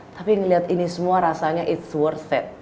tapi ngeliat ini semua rasanya it s worth it